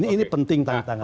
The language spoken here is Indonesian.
ini penting tantangan kita